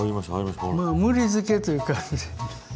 まあ「無理漬け」という感じ。